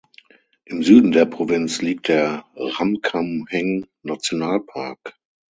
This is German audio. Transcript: Im Süden der Provinz liegt der Ramkhamhaeng-Nationalpark.